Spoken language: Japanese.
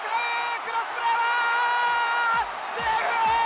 クロスプレーはセーフ！